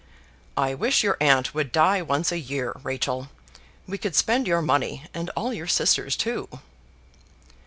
"I wish your aunt would die once a year, Rachel; we could spend your money, and all your sisters', too."